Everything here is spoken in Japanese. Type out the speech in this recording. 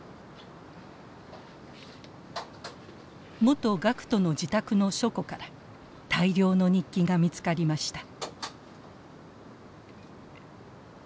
元学徒の自宅の書庫から大量の日記が見つかりました。